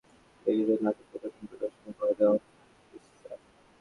মঞ্চের জন্য আসাদুজ্জামান নূর ব্রেখটের নাটক রূপান্তর করে রচনা করে দেওয়ান গাজীর কিসসা।